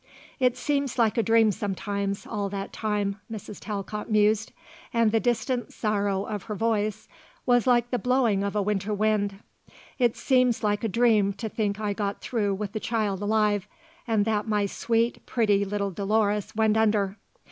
"It seems like a dream sometimes, all that time," Mrs. Talcott mused, and the distant sorrow of her voice was like the blowing of a winter wind. "It seems like a dream to think I got through with the child alive, and that my sweet, pretty little Dolores went under.